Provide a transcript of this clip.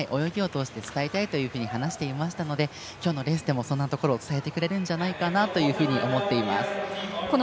泳ぎを通して伝えたいと話していましたので今日のレースでもそんなところを伝えてくれるんじゃないかなと思っています。